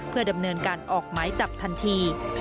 เพื่อดำเนินการออกหมายจับทันที